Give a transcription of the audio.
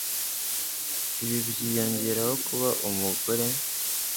Ibi byiyongeraho kuba umugore